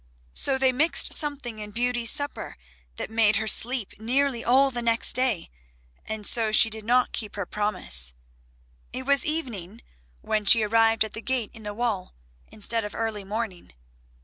So they mixed something in Beauty's supper that made her sleep nearly all the next day, and so she did not keep her promise. It was evening when she arrived at the gate in the wall, instead of early morning.